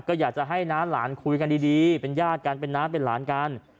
ก็อยากจะให้น้าหลานคุยกันดีเป็นญาติกันเป็นน้าเป็นหลานกัน